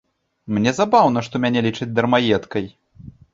Мне забаўна, што мяне лічаць дармаедкай.